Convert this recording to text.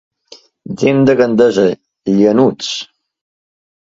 Gent de Gandesa, llanuts.